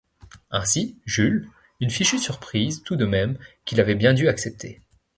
Ainsi Jules, une fichue surprise tout de même, qu’il avait bien dû accepter.